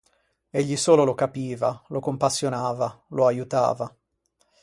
Egli solo lo capiva, lo compassionava, lo aiutava.